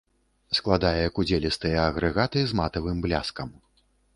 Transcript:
Складае кудзелістыя агрэгаты з матавым бляскам.